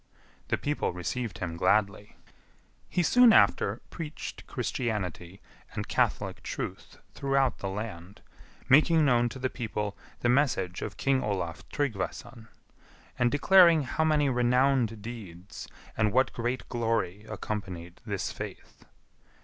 The people received him gladly. He soon after preached Christianity and catholic truth throughout the land, making known to the people the message of King Olaf Tryggvason; and declaring how many renowned deeds and what great glory accompanied this faith.